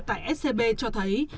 tại scb cho thấy